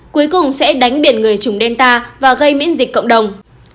cuối cùng sẽ đánh biển người chủng delta và gây miễn dịch cộng đồng